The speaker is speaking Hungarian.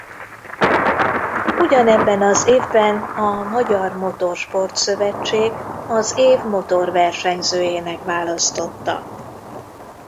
Ugyanebben az évben a Magyar Motorsport Szövetség az Év motorversenyzőjének választotta.